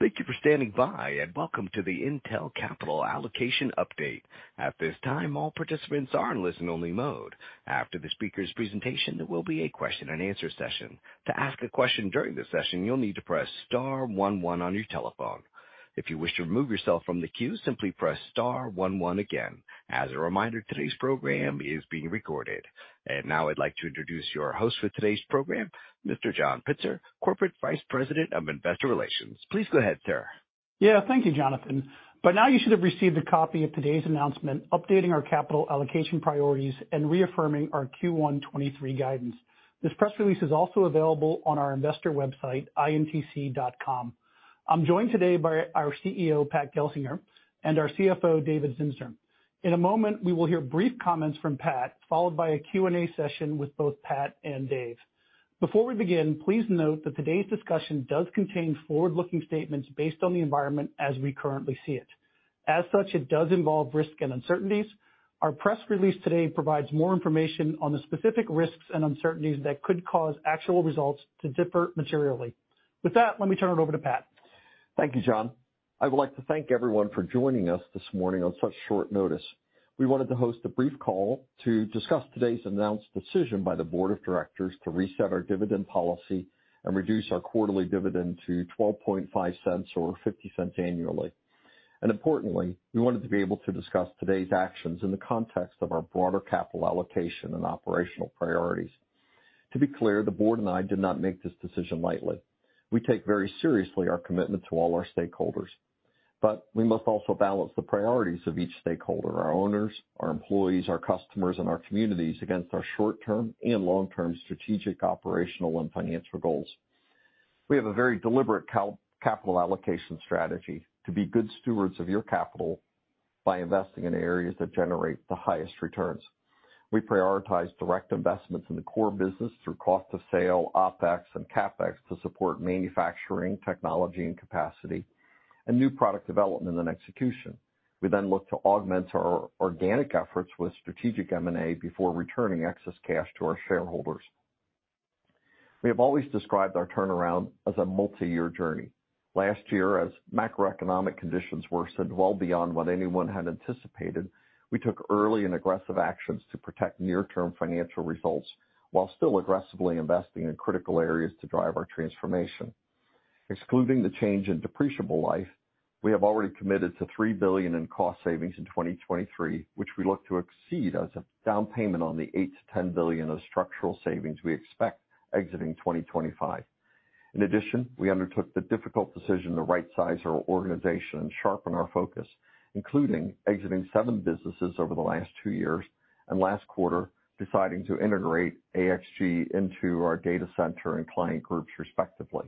Thank you for standing by, and welcome to the Intel Capital Allocation Update. At this time, all participants are in listen-only mode. After the speaker's presentation, there will be a question-and-answer session. To ask a question during the session, you'll need to press star one one on your telephone. If you wish to remove yourself from the queue, simply press star one one again. As a reminder, today's program is being recorded. Now I'd like to introduce your host for today's program, Mr. John Pitzer, Corporate Vice President of Investor Relations. Please go ahead, sir. Yeah. Thank you, Jonathan. By now you should have received a copy of today's announcement updating our capital allocation priorities and reaffirming our Q1 '23 guidance. This press release is also available on our investor website, intc.com. I'm joined today by our CEO, Pat Gelsinger, and our CFO, David Zinsner. In a moment, we will hear brief comments from Pat, followed by a Q&A session with both Pat and Dave. Before we begin, please note that today's discussion does contain forward-looking statements based on the environment as we currently see it. As such, it does involve risk and uncertainties. Our press release today provides more information on the specific risks and uncertainties that could cause actual results to differ materially. With that, let me turn it over to Pat. Thank you, John. I would like to thank everyone for joining us this morning on such short notice. We wanted to host a brief call to discuss today's announced decision by the board of directors to reset our dividend policy and reduce our quarterly dividend to $0.125 or $0.50 annually. Importantly, we wanted to be able to discuss today's actions in the context of our broader capital allocation and operational priorities. To be clear, the board and I did not make this decision lightly. We take very seriously our commitment to all our stakeholders, but we must also balance the priorities of each stakeholder, our owners, our employees, our customers, and our communities, against our short-term and long-term strategic, operational, and financial goals. We have a very deliberate capital allocation strategy to be good stewards of your capital by investing in areas that generate the highest returns. We prioritize direct investments in the core business through cost of sale, OpEx and CapEx to support manufacturing, technology and capacity, and new product development and execution. We then look to augment our organic efforts with strategic M&A before returning excess cash to our shareholders. We have always described our turnaround as a multiyear journey. Last year, as macroeconomic conditions worsened well beyond what anyone had anticipated, we took early and aggressive actions to protect near-term financial results while still aggressively investing in critical areas to drive our transformation. Excluding the change in depreciable life, we have already committed to $3 billion in cost savings in 2023, which we look to exceed as a down payment on the $8 billion-$10 billion of structural savings we expect exiting 2025. We undertook the difficult decision to rightsize our organization and sharpen our focus, including exiting seven businesses over the last two years and last quarter, deciding to integrate AXG into our data center and client groups, respectively.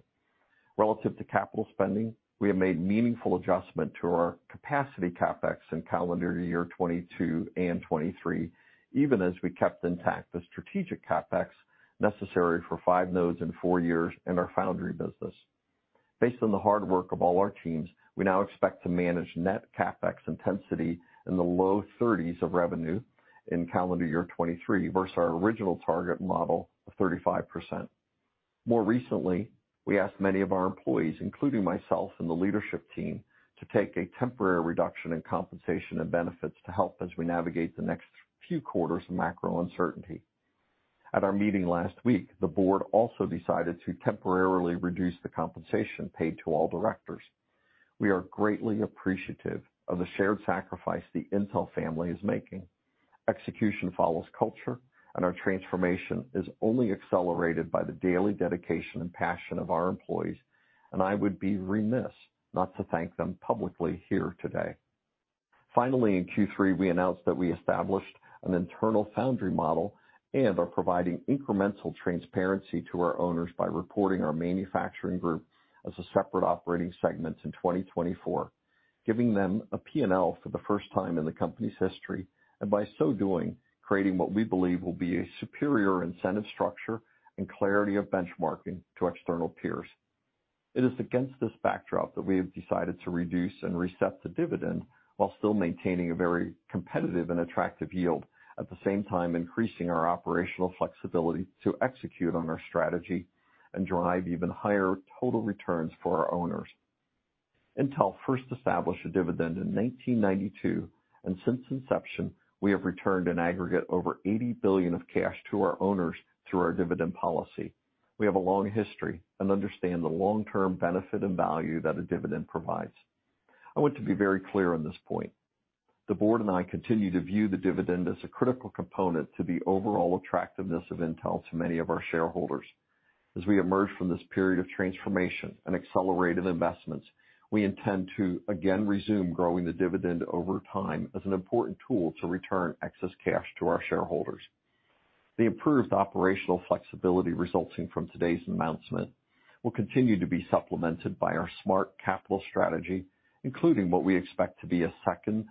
Relative to capital spending, we have made meaningful adjustment to our capacity CapEx in calendar year 2022 and 2023, even as we kept intact the strategic CapEx necessary for five nodes in four years in our foundry business. Based on the hard work of all our teams, we now expect to manage net CapEx intensity in the low thirties of revenue in calendar year 2023 versus our original target model of 35%. More recently, we asked many of our employees, including myself and the leadership team, to take a temporary reduction in compensation and benefits to help as we navigate the next few quarters of macro uncertainty. At our meeting last week, the board also decided to temporarily reduce the compensation paid to all directors. We are greatly appreciative of the shared sacrifice the Intel family is making. Execution follows culture and our transformation is only accelerated by the daily dedication and passion of our employees, I would be remiss not to thank them publicly here today. Finally, in Q3, we announced that we established an internal foundry model and are providing incremental transparency to our owners by reporting our manufacturing group as a separate operating segment in 2024, giving them a P&L for the first time in the company's history, and by so doing, creating what we believe will be a superior incentive structure and clarity of benchmarking to external peers. It is against this backdrop that we have decided to reduce and reset the dividend while still maintaining a very competitive and attractive yield, at the same time, increasing our operational flexibility to execute on our strategy and drive even higher total returns for our owners. Intel first established a dividend in 1992, and since inception, we have returned an aggregate over $80 billion of cash to our owners through our dividend policy. We have a long history and understand the long-term benefit and value that a dividend provides. I want to be very clear on this point. The board and I continue to view the dividend as a critical component to the overall attractiveness of Intel to many of our shareholders. As we emerge from this period of transformation and accelerated investments, we intend to again resume growing the dividend over time as an important tool to return excess cash to our shareholders. The improved operational flexibility resulting from today's announcement will continue to be supplemented by our smart capital strategy, including what we expect to be a second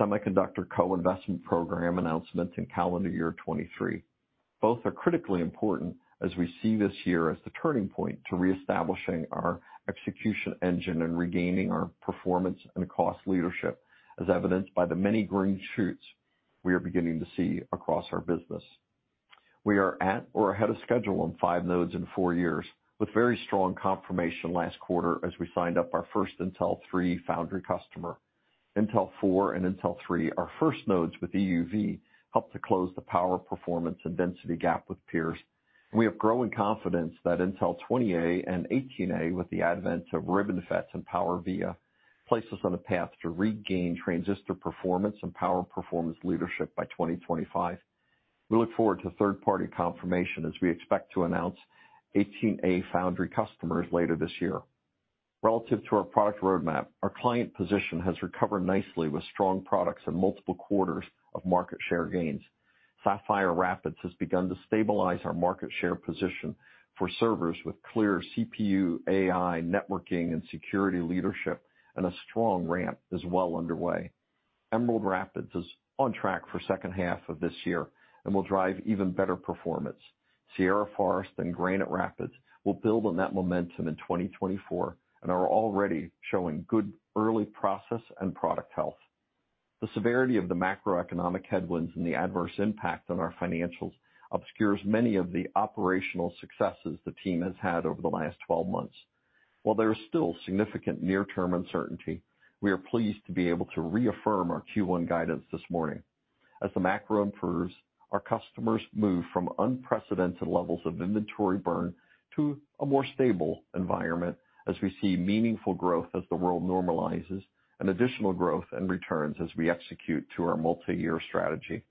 semiconductor co-investment program announcement in calendar year 2023. Both are critically important as we see this year as the turning point to reestablishing our execution engine and regaining our performance and cost leadership, as evidenced by the many green shoots we are beginning to see across our business. We are at or ahead of schedule on five nodes in four years, with very strong confirmation last quarter as we signed up our first Intel 3 foundry customer. Intel 4 and Intel 3 are first nodes with EUV help to close the power, performance, and density gap with peers. We have growing confidence that Intel 20A and 18A with the advent of RibbonFET and PowerVia place us on a path to regain transistor performance and power performance leadership by 2025. We look forward to third-party confirmation as we expect to announce 18A foundry customers later this year. Relative to our product roadmap, our client position has recovered nicely with strong products and multiple quarters of market share gains. Sapphire Rapids has begun to stabilize our market share position for servers with clear CPU, AI, networking, and security leadership, and a strong ramp is well underway. Emerald Rapids is on track for second half of this year and will drive even better performance. Sierra Forest and Granite Rapids will build on that momentum in 2024 and are already showing good early process and product health. The severity of the macroeconomic headwinds and the adverse impact on our financials obscures many of the operational successes the team has had over the last 12 months. While there is still significant near-term uncertainty, we are pleased to be able to reaffirm our Q1 guidance this morning. As the macro improves, our customers move from unprecedented levels of inventory burn to a more stable environment as we see meaningful growth as the world normalizes and additional growth and returns as we execute to our multiyear strategy.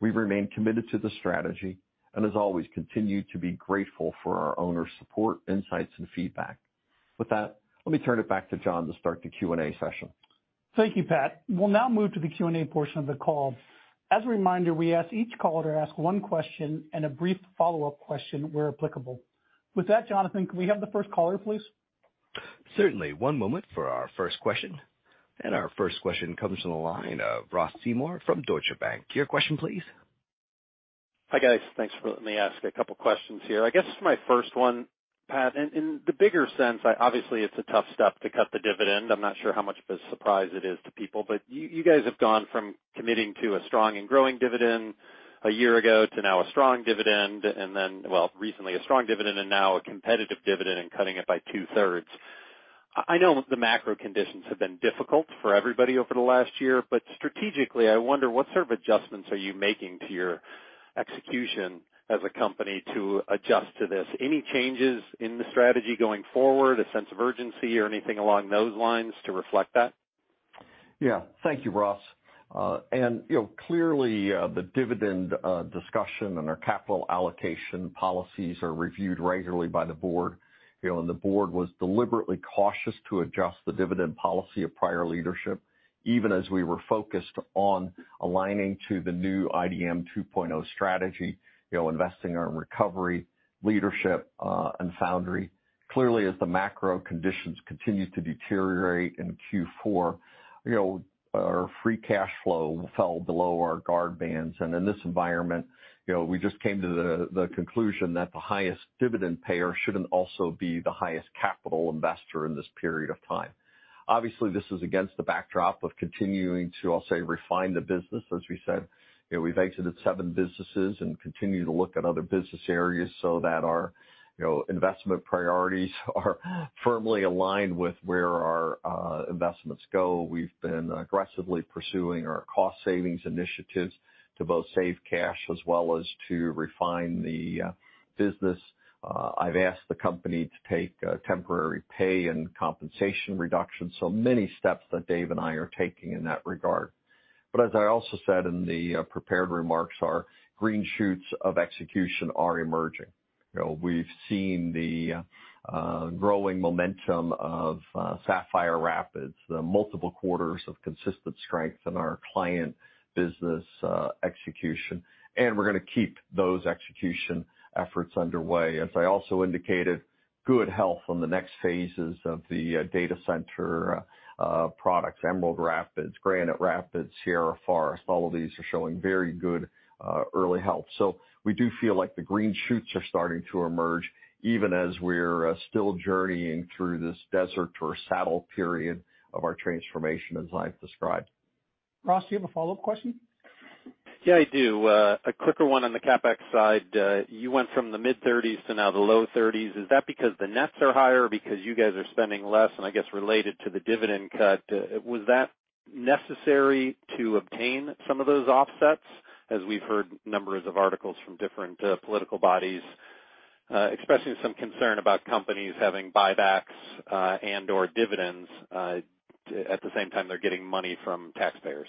We remain committed to the strategy and as always, continue to be grateful for our owner support, insights, and feedback. With that, let me turn it back to John to start the Q&A session. Thank you, Pat. We'll now move to the Q&A portion of the call. As a reminder, we ask each caller to ask one question and a brief follow-up question where applicable. With that, Jonathan, can we have the first caller, please? Certainly. One moment for our first question. Our first question comes from the line of Ross Seymore from Deutsche Bank. Your question, please. Hi, guys. Thanks for letting me ask a couple questions here. I guess my first one, Pat, in the bigger sense, I obviously it's a tough step to cut the dividend. I'm not sure how much of a surprise it is to people, but you guys have gone from committing to a strong and growing dividend a year ago to now a strong dividend, and then well, recently a strong dividend and now a competitive dividend and cutting it by 2/3. I know the macro conditions have been difficult for everybody over the last year, but strategically, I wonder what sort of adjustments are you making to your execution as a company to adjust to this? Any changes in the strategy going forward, a sense of urgency or anything along those lines to reflect that? Yeah. Thank you, Ross. Clearly, you know, the dividend discussion and our capital allocation policies are reviewed regularly by the board, you know, and the board was deliberately cautious to adjust the dividend policy of prior leadership, even as we were focused on aligning to the new IDM 2.0 strategy, you know, investing in our recovery, leadership, and foundry. Clearly, as the macro conditions continued to deteriorate in Q4, you know, our free cash flow fell below our guard bands. In this environment, you know, we just came to the conclusion that the highest dividend payer shouldn't also be the highest capital investor in this period of time. Obviously, this is against the backdrop of continuing to, I'll say, refine the business. As we said, you know, we've exited seven businesses and continue to look at other business areas so that our, you know, investment priorities are firmly aligned with where our investments go. We've been aggressively pursuing our cost savings initiatives to both save cash as well as to refine the business. I've asked the company to take temporary pay and compensation reductions, so many steps that Dave and I are taking in that regard. As I also said in the prepared remarks, our green shoots of execution are emerging. You know, we've seen the growing momentum of Sapphire Rapids, the multiple quarters of consistent strength in our client business, execution, and we're gonna keep those execution efforts underway. As I also indicated, good health on the next phases of the data center products, Emerald Rapids, Granite Rapids, Sierra Forest, all of these are showing very good early health. We do feel like the green shoots are starting to emerge, even as we're still journeying through this desert or saddle period of our transformation, as I've described. Ross, do you have a follow-up question? Yeah, I do. A quicker one on the CapEx side. You went from the mid-30s to now the low 30s. Is that because the nets are higher or because you guys are spending less? I guess related to the dividend cut, was that necessary to obtain some of those offsets? As we've heard numbers of articles from different political bodies, expressing some concern about companies having buybacks, and/or dividends, at the same time they're getting money from taxpayers.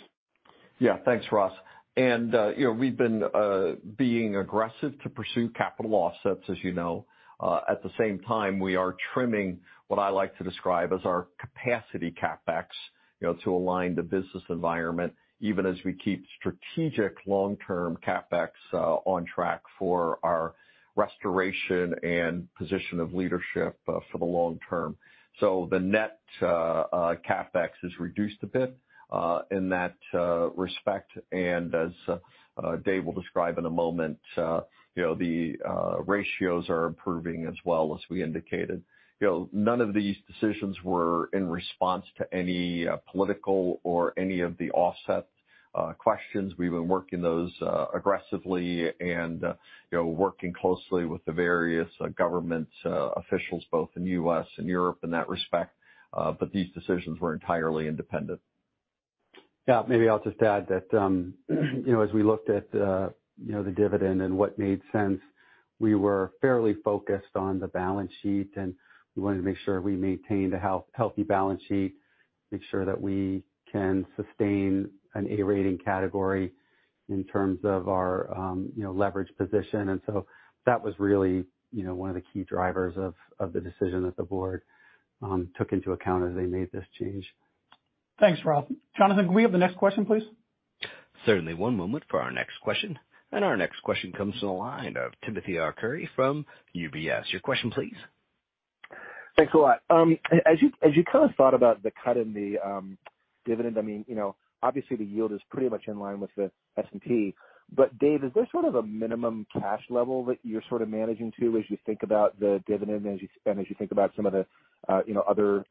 Yeah. Thanks, Ross. You know, we've been being aggressive to pursue capital offsets, as you know. At the same time, we are trimming what I like to describe as our capacity CapEx, you know, to align the business environment, even as we keep strategic long-term CapEx on track for our restoration and position of leadership for the long term. The net CapEx is reduced a bit in that respect. As Dave will describe in a moment, you know, the ratios are improving as well, as we indicated. You know, none of these decisions were in response to any political or any of the offset questions. We've been working those aggressively and, you know, working closely with the various government officials both in the U.S. and Europe in that respect. These decisions were entirely independent. Yeah, maybe I'll just add that, you know, as we looked at, you know, the dividend and what made sense, we were fairly focused on the balance sheet. We wanted to make sure we maintained a healthy balance sheet, make sure that we can sustain an A rating category in terms of our, you know, leverage position. So that was really, you know, one of the key drivers of the decision that the board took into account as they made this change. Thanks, Rob. Jonathan, can we have the next question, please? Certainly. One moment for our next question. Our next question comes from the line of Timothy Arcuri from UBS. Your question please. Thanks a lot. As you kind of thought about the cut in the dividend, I mean, you know, obviously the yield is pretty much in line with the S&P, but Dave, is there sort of a minimum cash level that you're sort of managing to as you think about the dividend and as you think about some of the, you know, other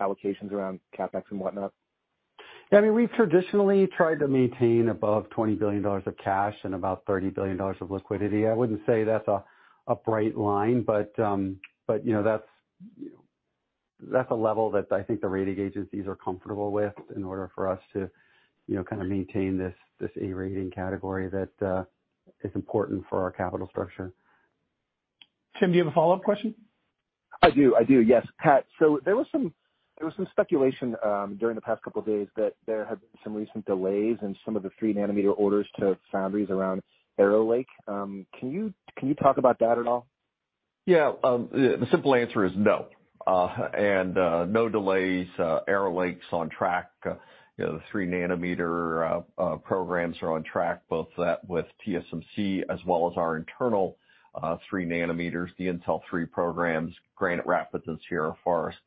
allocations around CapEx and whatnot? I mean, we've traditionally tried to maintain above $20 billion of cash and about $30 billion of liquidity. I wouldn't say that's a bright line, but, you know, that's a level that I think the rating agencies are comfortable with in order for us to, you know, kind of maintain this A rating category that is important for our capital structure. Tim, do you have a follow-up question? I do. I do, yes. Pat, there was some speculation during the past couple of days that there had been some recent delays in some of the three nanometer orders to foundries around Arrow Lake. Can you talk about that at all? Yeah. The simple answer is no. No delays. Arrow Lake's on track. You know, the three nanometer programs are on track, both that with TSMC as well as our internal three nanometers, the Intel 3 programs, Granite Rapids and Sierra Forest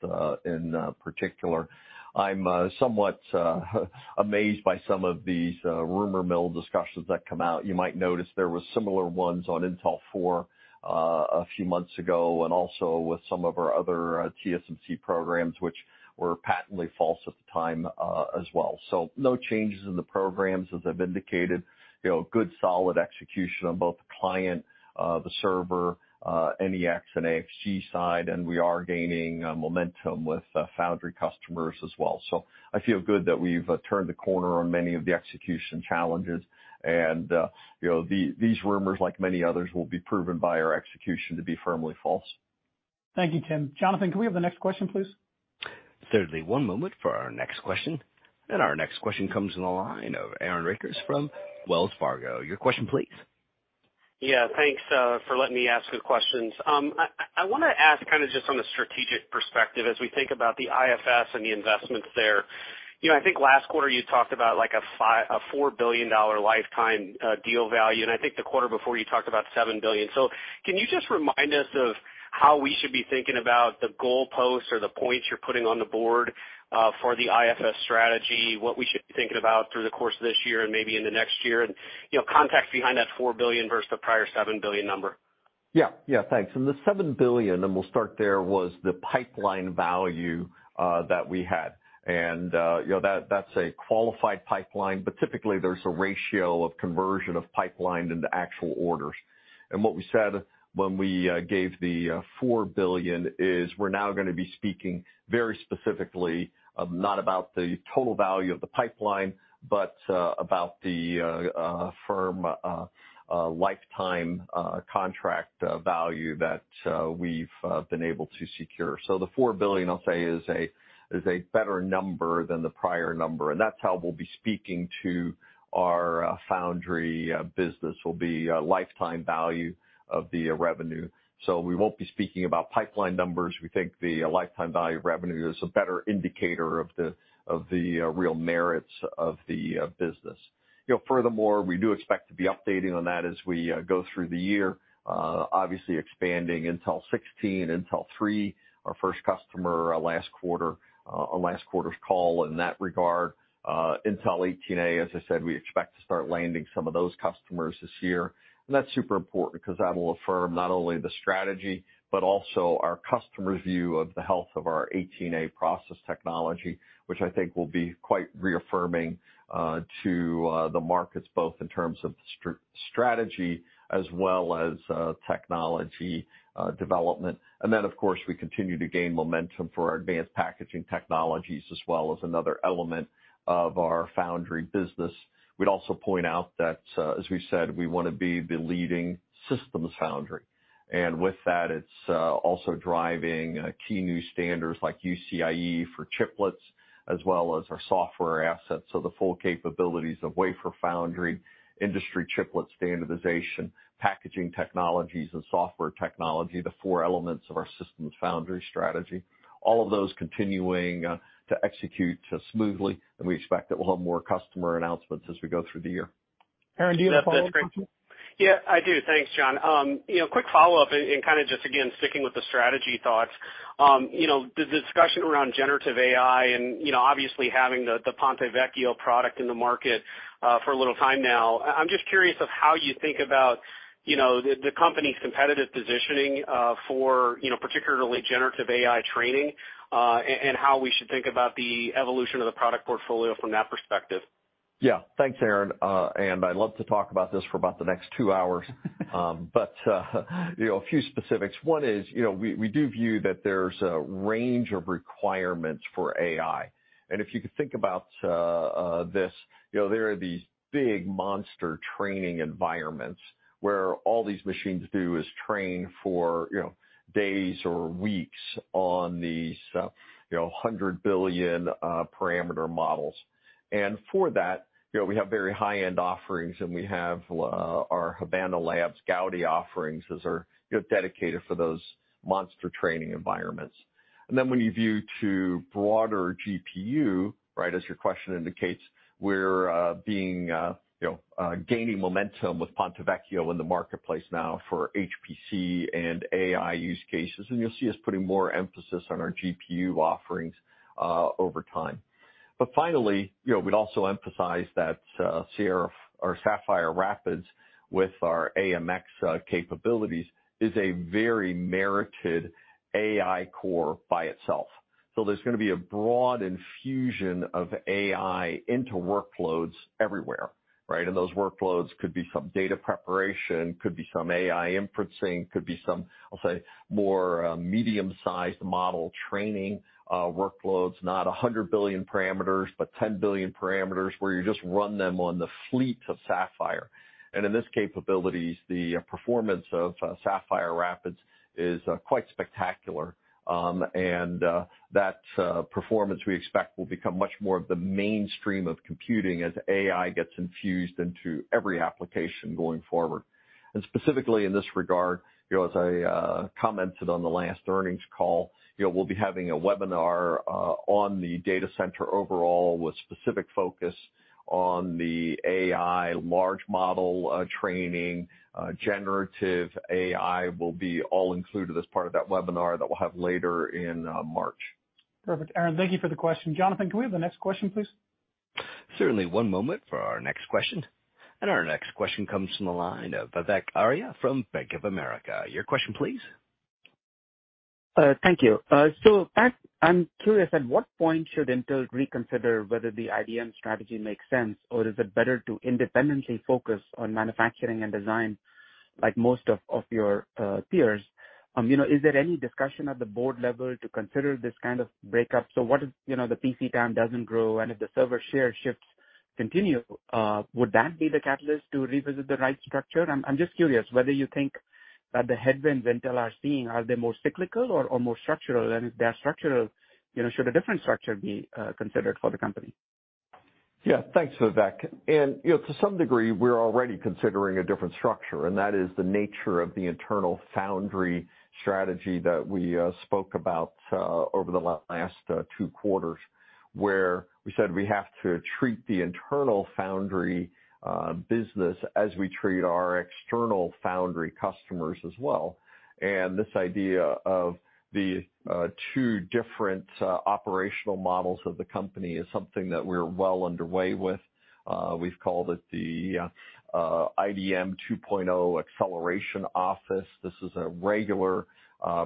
in particular. I'm somewhat amazed by some of these rumor mill discussions that come out. You might notice there were similar ones on Intel 4 a few months ago and also with some of our other TSMC programs, which were patently false at the time as well. No changes in the programs. As I've indicated, you know, good solid execution on both the client, the server, NEX and AXG side, and we are gaining momentum with foundry customers as well. I feel good that we've turned the corner on many of the execution challenges and, you know, these rumors, like many others, will be proven by our execution to be firmly false. Thank you, Tim. Jonathan, can we have the next question, please? Certainly. One moment for our next question. Our next question comes in the line of Aaron Rakers from Wells Fargo. Your question please. Yeah, thanks for letting me ask the questions. I wanna ask kinda just on the strategic perspective as we think about the IFS and the investments there. You know, I think last quarter you talked about like a $4 billion lifetime deal value, and I think the quarter before you talked about $7 billion. Can you just remind us of how we should be thinking about the goalposts or the points you're putting on the board for the IFS strategy, what we should be thinking about through the course of this year and maybe in the next year? You know, context behind that $4 billion versus the prior $7 billion number. Yeah. Yeah, thanks. The $7 billion, and we'll start there, was the pipeline value that we had. You know, that's a qualified pipeline, but typically, there's a ratio of conversion of pipeline into actual orders. What we said when we gave the $4 billion is we're now gonna be speaking very specifically, not about the total value of the pipeline, but about the firm lifetime contract value that we've been able to secure. The $4 billion, I'll say, is a better number than the prior number, and that's how we'll be speaking to our foundry business, will be lifetime value of the revenue. We won't be speaking about pipeline numbers. We think the lifetime value of revenue is a better indicator of the, of the real merits of the business. You know, furthermore, we do expect to be updating on that as we go through the year, obviously expanding Intel 16, Intel 3, our first customer last quarter on last quarter's call in that regard. Intel 18A, as I said, we expect to start landing some of those customers this year. That's super important because that'll affirm not only the strategy, but also our customer's view of the health of our 18A process technology, which I think will be quite reaffirming to the markets, both in terms of strategy as well as technology development. Then, of course, we continue to gain momentum for our advanced packaging technologies as well as another element of our foundry business. We'd also point out that, as we said, we wanna be the leading systems foundry. And with that, it's also driving key new standards like UCIe for chiplets as well as our software assets. The full capabilities of wafer foundry, industry chiplet standardization, packaging technologies, and software technology, the four elements of our systems foundry strategy, all of those continuing to execute smoothly, and we expect that we'll have more customer announcements as we go through the year. Aaron, do you have a follow-up question? Yeah, I do. Thanks, John. You know, quick follow-up and kinda just again sticking with the strategy thoughts. You know, the discussion around generative AI and, you know, obviously having the Ponte Vecchio product in the market, for a little time now, I'm just curious of how you think about, you know, the company's competitive positioning, for, you know, particularly generative AI training, and how we should think about the evolution of the product portfolio from that perspective? Yeah. Thanks, Aaron. I'd love to talk about this for about the next two hours. You know, a few specifics. One is, you know, we do view that there's a range of requirements for AI. If you could think about, this, you know, there are these big monster training environments where all these machines do is train for, you know, days or weeks on these, you know, 100 billion parameter models. For that, you know, we have very high-end offerings, and we have, our Habana Labs Gaudi offerings as are dedicated for those monster training environments. When you view to broader GPU, right, as your question indicates, we're being, you know, gaining momentum with Ponte Vecchio in the marketplace now for HPC and AI use cases, and you'll see us putting more emphasis on our GPU offerings over time. Finally, you know, we'd also emphasize that Sapphire Rapids with our AMX capabilities is a very merited AI core by itself. There's gonna be a broad infusion of AI into workloads everywhere, right? Those workloads could be some data preparation, could be some AI inferencing, could be some, I'll say, more medium-sized model training workloads, not 100 billion parameters, but 10 billion parameters where you just run them on the fleet of Sapphire. And in this capabilities, the performance of Sapphire Rapids is quite spectacular. That performance we expect will become much more of the mainstream of computing as AI gets infused into every application going forward. Specifically in this regard, you know, as I commented on the last earnings call, you know, we'll be having a webinar on the data center overall with specific focus on the AI large model training, generative AI will be all included as part of that webinar that we'll have later in March. Perfect. Aaron, thank you for the question. Jonathan, can we have the next question, please? Certainly. One moment for our next question. Our next question comes from the line of Vivek Arya from Bank of America. Your question, please. Thank you. Pat, I'm curious, at what point should Intel reconsider whether the IDM strategy makes sense, or is it better to independently focus on manufacturing and design like most of your peers? You know, is there any discussion at the board level to consider this kind of breakup? What if, you know, the PC TAM doesn't grow, and if the server share shifts continue, would that be the catalyst to revisit the right structure? I'm just curious whether you think that the headwinds Intel are seeing, are they more cyclical or more structural? If they are structural, you know, should a different structure be considered for the company? Yeah. Thanks, Vivek. You know, to some degree, we're already considering a different structure, and that is the nature of the internal foundry strategy that we spoke about over the last two quarters, where we said we have to treat the internal foundry business as we treat our external foundry customers as well. This idea of the two different operational models of the company is something that we're well underway with. We've called it the IDM 2.0 Acceleration Office. This is a regular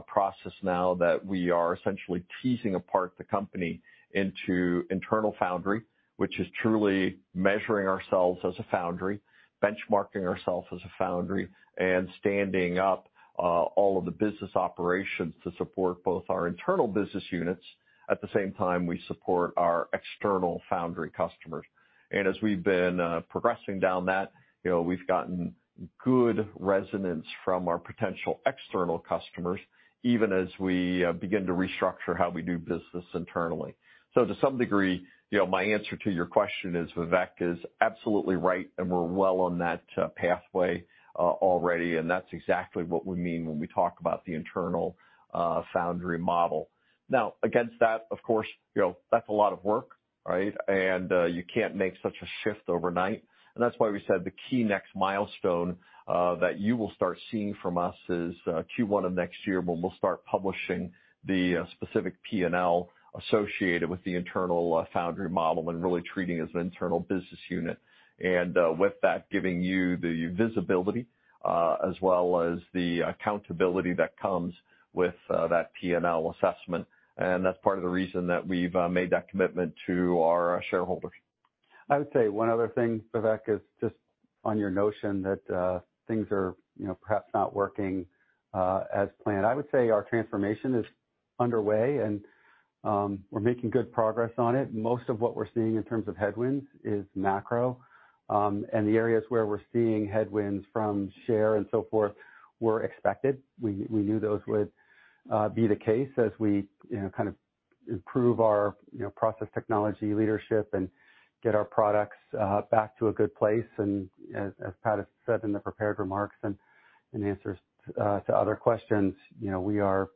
process now that we are essentially teasing apart the company into internal foundry, which is truly measuring ourselves as a foundry, benchmarking ourselves as a foundry, and standing up all of the business operations to support both our internal business units. At the same time, we support our external foundry customers. As we've been progressing down that, you know, we've gotten good resonance from our potential external customers, even as we begin to restructure how we do business internally. To some degree, you know, my answer to your question is, Vivek, is absolutely right, and we're well on that pathway already, and that's exactly what we mean when we talk about the internal foundry model. Now against that, of course, you know, that's a lot of work, right? You can't make such a shift overnight. That's why we said the key next milestone that you will start seeing from us is Q1 of next year when we'll start publishing the specific P&L associated with the internal foundry model and really treating it as an internal business unit. With that, giving you the visibility, as well as the accountability that comes with that P&L assessment. That's part of the reason that we've made that commitment to our shareholders. I would say one other thing, Vivek, is just on your notion that things are, you know, perhaps not working as planned. I would say our transformation is underway, and we're making good progress on it. Most of what we're seeing in terms of headwinds is macro, and the areas where we're seeing headwinds from share and so forth were expected. We knew those would be the case as we, you know, kind of improve our, you know, process technology leadership and get our products back to a good place. As Pat has said in the prepared remarks and answers to other questions, you know, we are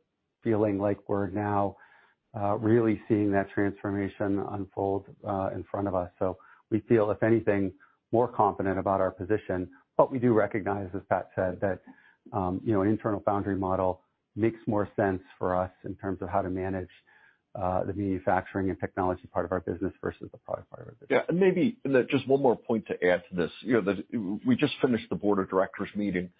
feeling like we're now really seeing that transformation unfold in front of us. We feel, if anything, more confident about our position. We do recognize, as Pat said, that, you know, an internal foundry model makes more sense for us in terms of how to manage, the manufacturing and technology part of our business versus the product part of our business. Yeah. Maybe just one more point to add to this. You know, we just finished the board of directors meeting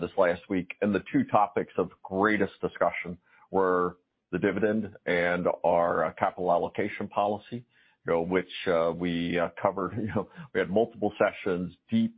this last week, and the two topics of greatest discussion were the dividend and our capital allocation policy, you know, which we covered. You know, we had multiple sessions, deep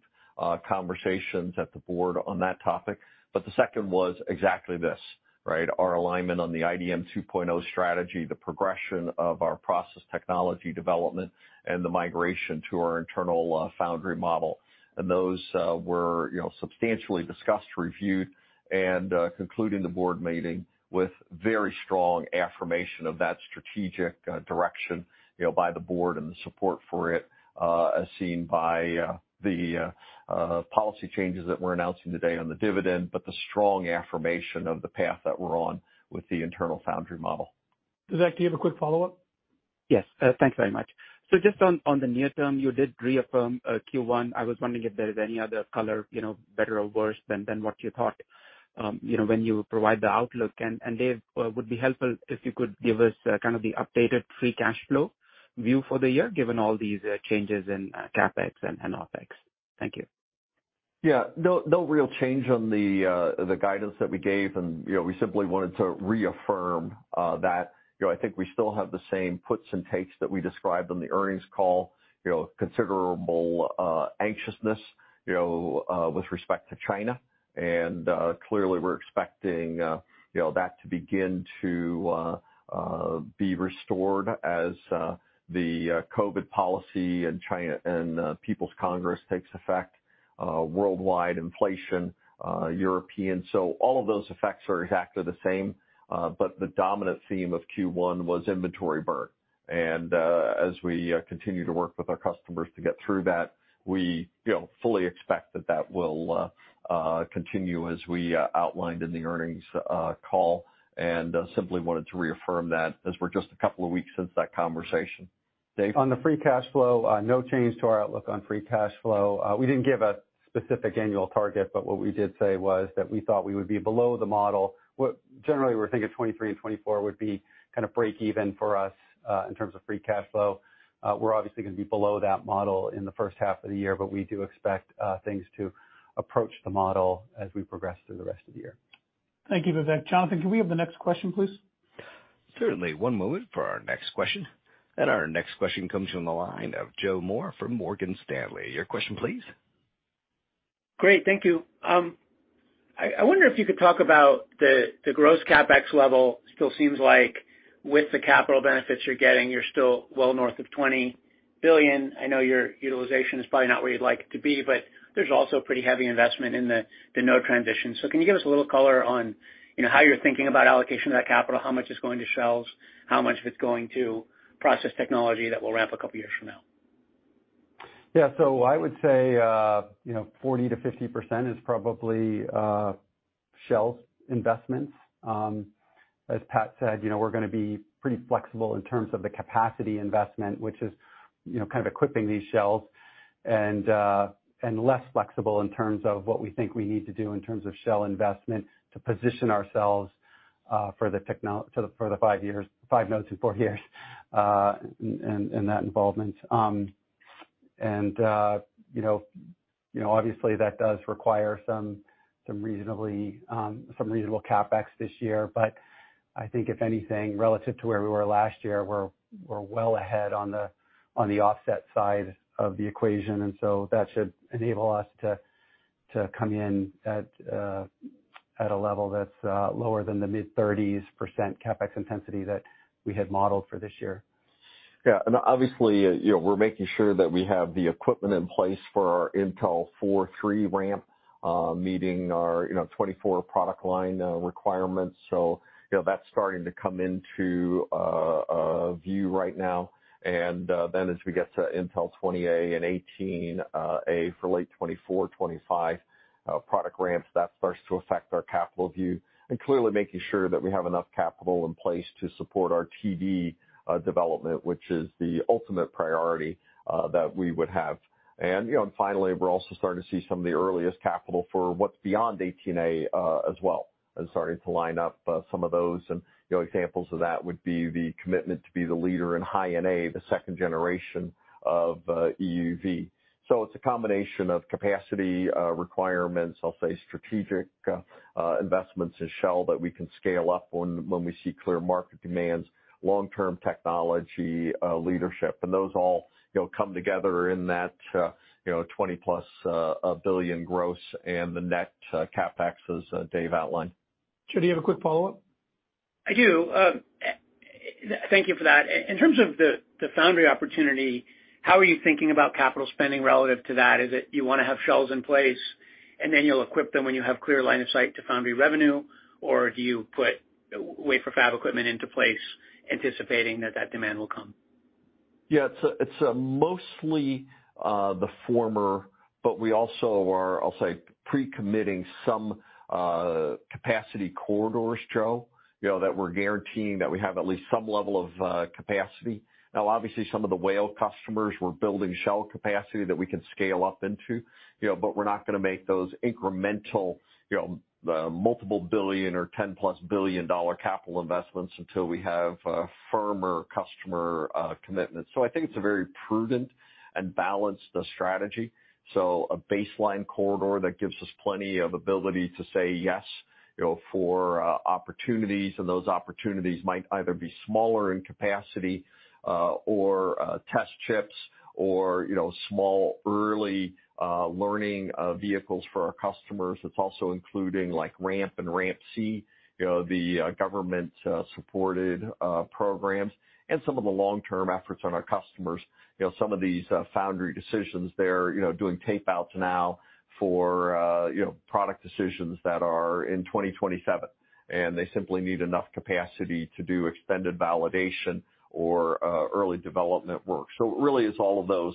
conversations at the board on that topic. The second was exactly this, right? Our alignment on the IDM 2.0 strategy, the progression of our process technology development, and the migration to our internal foundry model. Those were, you know, substantially discussed, reviewed, and concluding the board meeting with very strong affirmation of that strategic direction, you know, by the board and the support for it, as seen by the policy changes that we're announcing today on the dividend, but the strong affirmation of the path that we're on with the internal foundry model. Vivek, do you have a quick follow-up? Yes. Thanks very much. Just on the near term, you did reaffirm Q1. I was wondering if there is any other color, you know, better or worse than what you thought, you know, when you provide the outlook. David, would be helpful if you could give us kind of the updated free cash flow view for the year, given all these changes in CapEx and OpEx. Thank you. Yeah. No, no real change on the guidance that we gave. You know, we simply wanted to reaffirm that. You know, I think we still have the same puts and takes that we described on the earnings call, you know, considerable anxiousness, you know, with respect to China. Clearly we're expecting, you know, that to begin to be restored as the COVID policy in China and People's Congress takes effect, worldwide inflation, European. All of those effects are exactly the same. The dominant theme of Q1 was inventory burn. As we continue to work with our customers to get through that, we, you know, fully expect that that will continue as we outlined in the earnings call, and simply wanted to reaffirm that as we're just a couple of weeks since that conversation. Dave? On the free cash flow, no change to our outlook on free cash flow. We didn't give a specific annual target, but what we did say was that we thought we would be below the model. Generally, we're thinking 2023 and 2024 would be kind of breakeven for us, in terms of free cash flow. We're obviously gonna be below that model in the first half of the year, but we do expect things to approach the model as we progress through the rest of the year. Thank you, Vivek. Jonathan, can we have the next question, please? Certainly. One moment for our next question. Our next question comes from the line of Joe Moore from Morgan Stanley. Your question, please. Great. Thank you. I wonder if you could talk about the gross CapEx level. Still seems like with the capital benefits you're getting, you're still well north of $20 billion. I know your utilization is probably not where you'd like it to be, but there's also a pretty heavy investment in the node transition. Can you give us a little color on, you know, how you're thinking about allocation of that capital, how much is going to shelves, how much of it's going to process technology that will ramp a couple of years from now? Yeah. I would say, you know, 40%-50% is probably shelves investments. As Pat said, you know, we're gonna be pretty flexible in terms of the capacity investment, which is, you know, kind of equipping these shelves, and less flexible in terms of what we think we need to do in terms of shell investment to position ourselves for the five years, five nodes in four years in that involvement. You know, obviously that does require some reasonably reasonable CapEx this year. I think if anything, relative to where we were last year, we're well ahead on the, on the offset side of the equation. That should enable us to come in at a level that's lower than the mid-30s percent CapEx intensity that we had modeled for this year. Yeah. Obviously, you know, we're making sure that we have the equipment in place for our Intel 4 three ramp, meeting our, you know, 2024 product line, requirements. You know, that's starting to come into view right now. Then as we get to Intel 20A and 18A for late 2024, 2025, product ramps, that starts to affect our capital view. Clearly making sure that we have enough capital in place to support our TD, development, which is the ultimate priority, that we would have. Finally, we're also starting to see some of the earliest capital for what's beyond 18A, as well, and starting to line up, some of those. Examples of that would be the commitment to be the leader in High NA, the second generation of, EUV. It's a combination of capacity, requirements, I'll say strategic, investments in shell that we can scale up when we see clear market demands, long-term technology, leadership. Those all, you know, come together in that, you know, $20+ billion gross and the net, CapEx as David outlined. Joe, do you have a quick follow-up? I do. thank you for that. In terms of the foundry opportunity, how are you thinking about capital spending relative to that? Is it you wanna have shelves in place and then you'll equip them when you have clear line of sight to foundry revenue? Or do you put wafer fab equipment into place anticipating that demand will come? Yeah, it's, mostly, the former. But we also are, I'll say, pre-committing some capacity corridors, Joe, you know, that we're guaranteeing that we have at least some level of capacity. Now, obviously, some of the whale customers, we're building shell capacity that we can scale up into, you know, but we're not gonna make those incremental, you know, multiple billion or $10+ billion capital investments until we have firmer customer commitments. I think it's a very prudent and balanced strategy. A baseline corridor that gives us plenty of ability to say, "Yes," you know, for opportunities, and those opportunities might either be smaller in capacity, or test chips or, you know, small early learning vehicles for our customers. It's also including like RAMP and RAMP-C, you know, the government supported programs, and some of the long-term efforts on our customers. You know, some of these foundry decisions, they're, you know, doing tapeouts now for, you know, product decisions that are in 2027, and they simply need enough capacity to do extended validation or early development work. It really is all of those.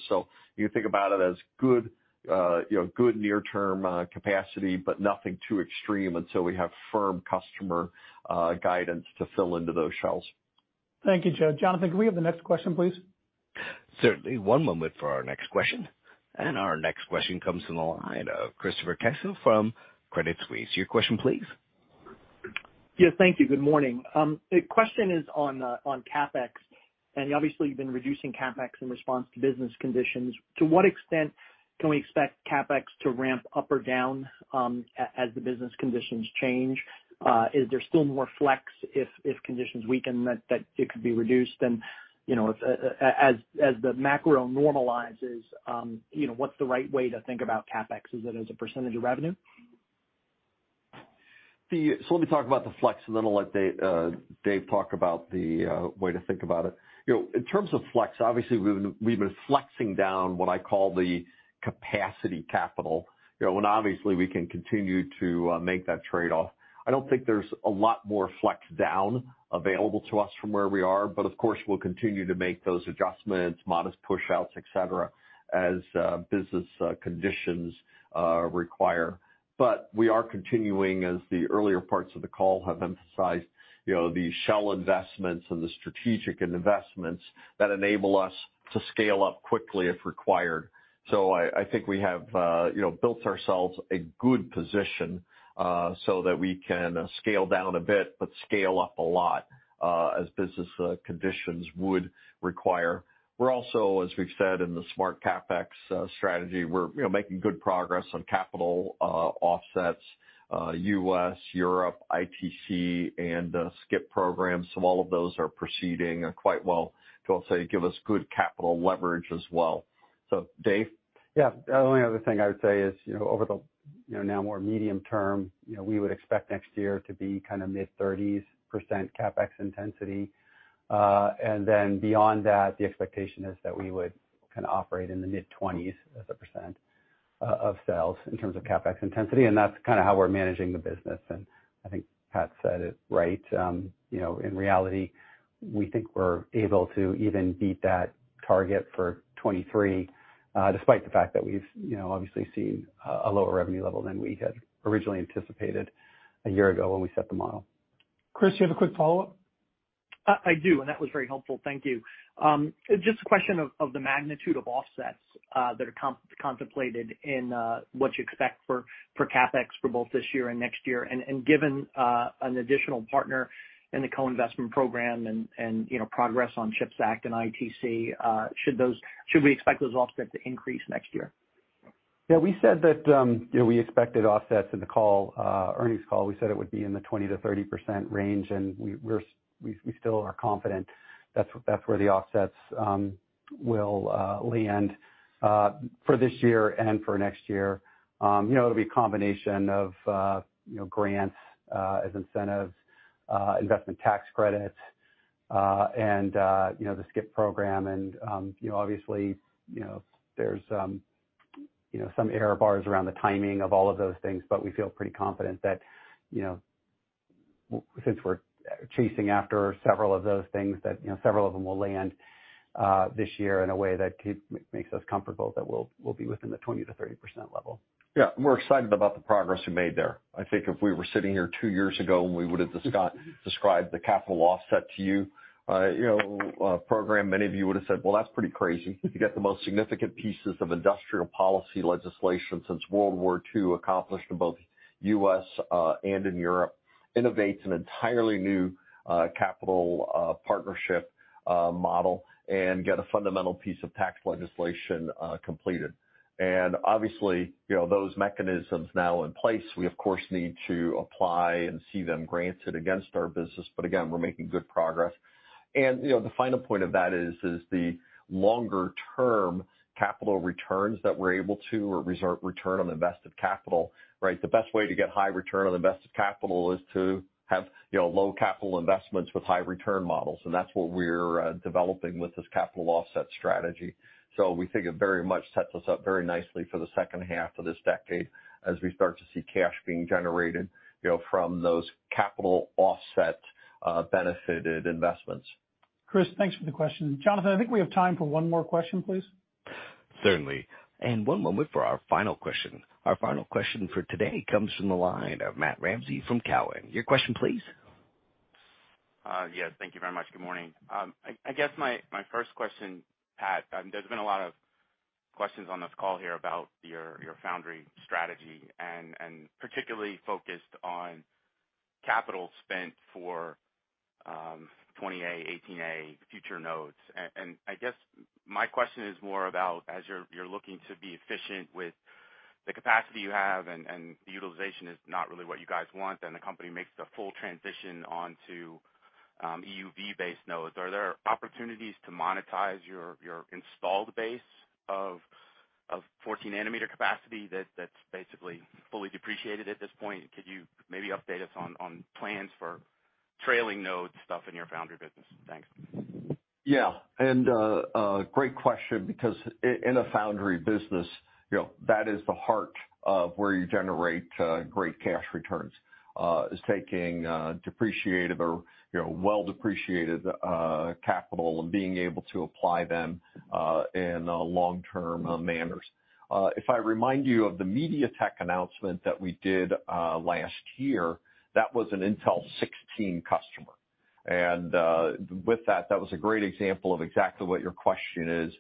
You think about it as good, you know, good near-term capacity, but nothing too extreme until we have firm customer guidance to fill into those shells. Thank you, Joe. Jonathan, can we have the next question, please? Certainly. One moment for our next question. Our next question comes from the line of Christopher Caso from Credit Suisse. Your question please. Yeah, thank you. Good morning. The question is on CapEx. Obviously you've been reducing CapEx in response to business conditions. To what extent can we expect CapEx to ramp up or down as the business conditions change? Is there still more flex if conditions weaken that it could be reduced? You know, if as the macro normalizes, you know, what's the right way to think about CapEx? Is it as a percentage of revenue? Let me talk about the flex, and then I'll let Dave talk about the way to think about it. You know, in terms of flex, obviously we've been flexing down what I call the capacity capital, you know, and obviously we can continue to make that trade-off. I don't think there's a lot more flex down available to us from where we are, but of course, we'll continue to make those adjustments, modest pushouts, et cetera, as business conditions require. We are continuing, as the earlier parts of the call have emphasized, you know, the shell investments and the strategic investments that enable us to scale up quickly if required. I think we have, you know, built ourselves a good position, so that we can scale down a bit, but scale up a lot, as business conditions would require. We're also, as we've said in the smart CapEx strategy, we're, you know, making good progress on capital offsets, US, Europe, ITC, and CHIPS programs. All of those are proceeding quite well to, I'll say, give us good capital leverage as well. Dave? Yeah. The only other thing I would say is, you know, over the, you know, now more medium term, you know, we would expect next year to be kinda mid-30s percent CapEx intensity. Then beyond that, the expectation is that we would kind of operate in the mid 20s as a percent of sales in terms of CapEx intensity, and that's kinda how we're managing the business. I think Pat said it right. You know, in reality, we think we're able to even beat that target for 2023, despite the fact that we've, you know, obviously seen a lower revenue level than we had originally anticipated a year ago when we set the model. Chris, do you have a quick follow-up? Very helpful. Thank you. Just a question of the magnitude of offsets that are contemplated in what you expect for CapEx for both this year and next year. And given an additional partner in the co-investment program and, you know, progress on CHIPS Act and ITC, should we expect those offsets to increase next year Yeah. We said that, you know, we expected offsets in the call, earnings call. We said it would be in the 20%-30% range, and we still are confident that's where the offsets will land for this year and for next year. You know, it'll be a combination of, you know, grants as incentives, investment tax credits, and, you know, the CHIPS program. You know, obviously, you know, there's, you know, some error bars around the timing of all of those things, but we feel pretty confident that, you know, since we're chasing after several of those things that, you know, several of them will land this year in a way that makes us comfortable that we'll be within the 20%-30% level. Yeah. We're excited about the progress we made there. I think if we were sitting here two years ago, and we would've described the capital offset to you know, program, many of you would have said, "Well, that's pretty crazy." You get the most significant pieces of industrial policy legislation since World War II accomplished in both U.S. and in Europe, innovates an entirely new capital partnership model, and get a fundamental piece of tax legislation completed. Obviously, you know, those mechanisms now in place, we of course, need to apply and see them granted against our business, but again, we're making good progress. You know, the final point of that is the longer term capital returns that we're able to, or return on invested capital, right? The best way to get high return on invested capital is to have, you know, low capital investments with high return models, and that's what we're developing with this capital offset strategy. We think it very much sets us up very nicely for the second half of this decade as we start to see cash being generated, you know, from those capital offset benefited investments. Chris, thanks for the question. Jonathan, I think we have time for one more question, please. Certainly. One moment for our final question. Our final question for today comes from the line of Matt Ramsay from Cowen. Your question please. Yes, thank you very much. Good morning. I guess my first question, Pat, there's been a lot of questions on this call here about your foundry strategy and particularly focused on capital spent for 20A, 18A future nodes. I guess my question is more about as you're looking to be efficient with the capacity you have and the utilization is not really what you guys want, then the company makes the full transition onto EUV-based nodes. Are there opportunities to monetize your installed base of 14 nanometer capacity that's basically fully depreciated at this point? Could you maybe update us on plans for trailing node stuff in your foundry business? Thanks. Yeah. A great question because in a foundry business, you know, that is the heart of where you generate great cash returns is taking depreciated or, you know, well depreciated capital and being able to apply them in long-term manners. If I remind you of the MediaTek announcement that we did last year. That was an Intel 16 customer. With that was a great example of exactly what your question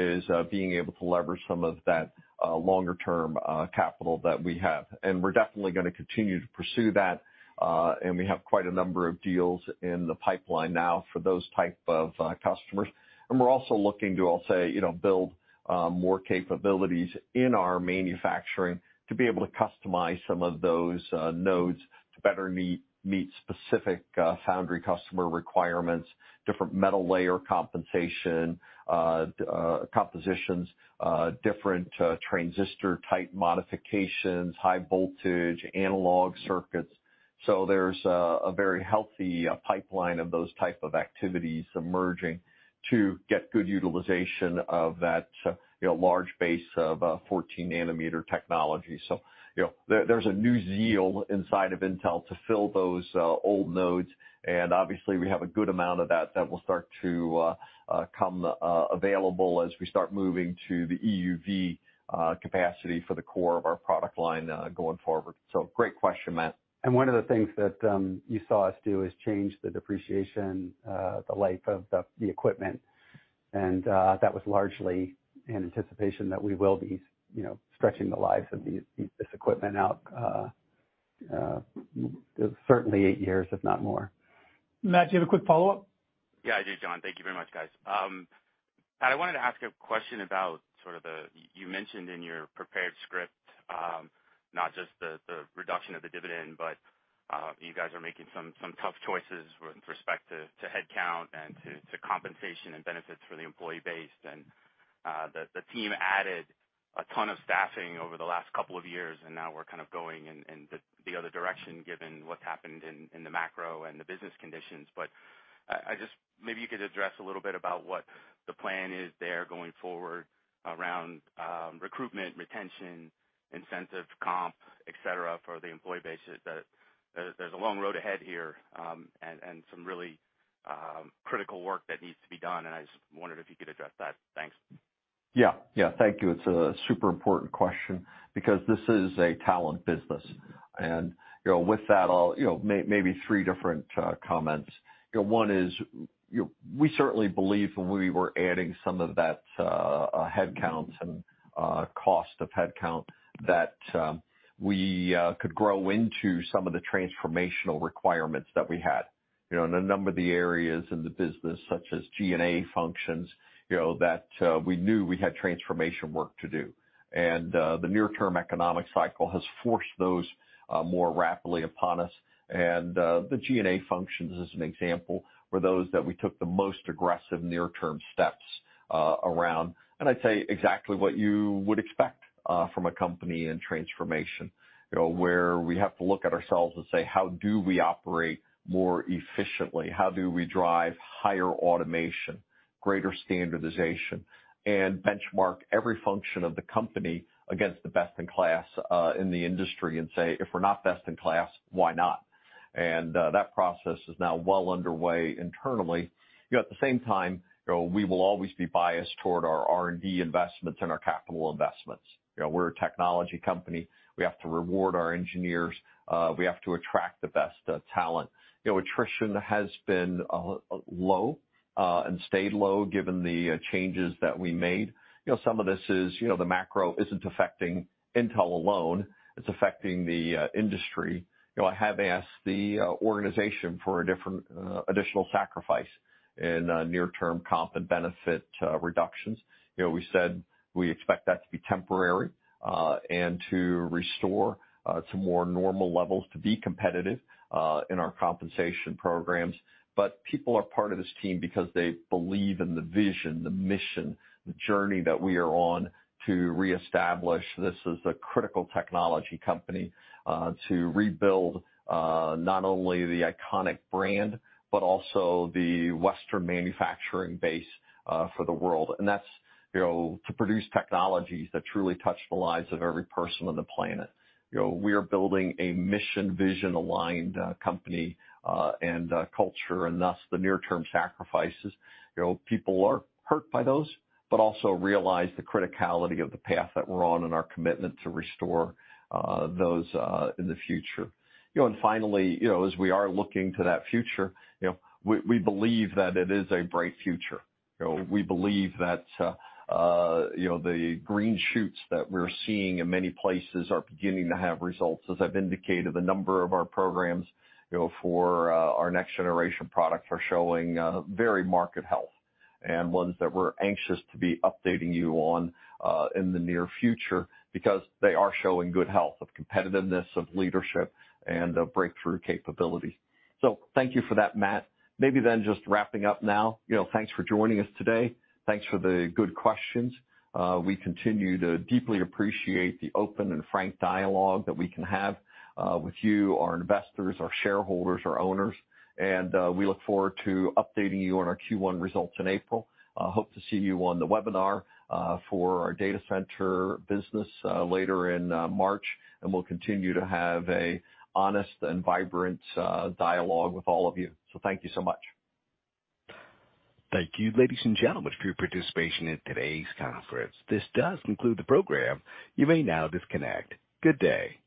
is being able to leverage some of that longer-term capital that we have. We're definitely gonna continue to pursue that and we have quite a number of deals in the pipeline now for those type of customers. We're also looking to, I'll say, you know, build more capabilities in our manufacturing to be able to customize some of those nodes to better meet specific foundry customer requirements, different metal layer compensation, compositions, different transistor type modifications, high voltage, analog circuits. So there's a very healthy pipeline of those type of activities emerging to get good utilization of that, you know, large base of 14 nanometer technology. So there's a new zeal inside of Intel to fill those old nodes. And obviously we have a good amount of that that will start to come available as we start moving to the EUV capacity for the core of our product line going forward. So great question, Matt. One of the things that, you saw us do is change the depreciation, the life of the equipment. That was largely in anticipation that we will be, you know, stretching the lives of this equipment out, certainly eight years, if not more. Matt, do you have a quick follow-up? Yeah, I do, John. Thank you very much, guys. Pat, I wanted to ask a question about sort of the, you mentioned in your prepared script, not just the reduction of the dividend, but you guys are making some tough choices with respect to headcount and to compensation and benefits for the employee base. The team added a ton of staffing over the last couple of years, and now we're kind of going in the other direction given what's happened in the macro and the business conditions. I just, maybe you could address a little bit about what the plan is there going forward around recruitment, retention, incentives, comp, et cetera, for the employee base. There's a long road ahead here, and some really critical work that needs to be done, and I just wondered if you could address that? Thanks. Yeah. Yeah. Thank you. It's a super important question because this is a talent business. You know, with that, I'll, you know, maybe three different comments. You know, one is, you know, we certainly believe when we were adding some of that headcounts and cost of headcount that we could grow into some of the transformational requirements that we had. You know, in a number of the areas in the business, such as G&A functions, you know, that we knew we had transformation work to do. The near-term economic cycle has forced those more rapidly upon us. The G&A functions, as an example, were those that we took the most aggressive near-term steps around. I'd say exactly what you would expect from a company in transformation. You know, where we have to look at ourselves and say, "How do we operate more efficiently? How do we drive higher automation, greater standardization?" Benchmark every function of the company against the best in class in the industry and say, "If we're not best in class, why not?" That process is now well underway internally. You know, at the same time, you know, we will always be biased toward our R&D investments and our capital investments. You know, we're a technology company. We have to reward our engineers. We have to attract the best talent. You know, attrition has been low and stayed low given the changes that we made. You know, some of this is, you know, the macro isn't affecting Intel alone. It's affecting the industry. You know, I have asked the organization for a different, additional sacrifice in near-term comp and benefit reductions. You know, we said we expect that to be temporary and to restore to more normal levels to be competitive in our compensation programs. People are part of this team because they believe in the vision, the mission, the journey that we are on to reestablish this as the critical technology company to rebuild not only the iconic brand but also the Western manufacturing base for the world. That's, you know, to produce technologies that truly touch the lives of every person on the planet. You know, we are building a mission, vision-aligned company and culture and thus the near-term sacrifices. You know, people are hurt by those but also realize the criticality of the path that we're on and our commitment to restore, those, in the future. Finally, you know, as we are looking to that future, you know, we believe that it is a bright future. You know, we believe that, you know, the green shoots that we're seeing in many places are beginning to have results. As I've indicated, a number of our programs, you know, for, our next generation products are showing, very market health. Ones that we're anxious to be updating you on, in the near future because they are showing good health of competitiveness, of leadership, and of breakthrough capability. Thank you for that, Matt. Maybe then just wrapping up now, you know, thanks for joining us today. Thanks for the good questions. We continue to deeply appreciate the open and frank dialogue that we can have with you, our investors, our shareholders, our owners. We look forward to updating you on our Q1 results in April. Hope to see you on the webinar for our data center business later in March, and we'll continue to have a honest and vibrant dialogue with all of you. Thank you so much. Thank you, ladies and gentlemen, for your participation in today's conference. This does conclude the program. You may now disconnect. Good day.